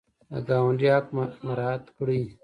د ګاونډي حق مراعات کړئ